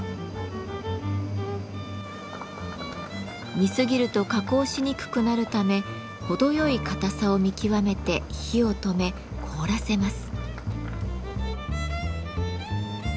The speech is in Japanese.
煮すぎると加工しにくくなるため程よい固さを見極めて火を止め凍らせます。